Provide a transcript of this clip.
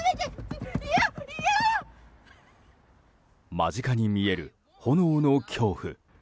間近に見える炎の恐怖。